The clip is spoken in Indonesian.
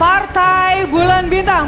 partai bulan bintang